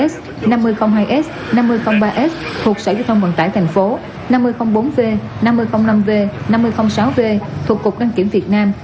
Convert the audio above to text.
năm mươi một s năm mươi hai s năm mươi ba s thuộc sở giao thông vận tải tp hcm năm mươi bốn v năm mươi năm v năm mươi sáu v thuộc cục đăng kiểm việt nam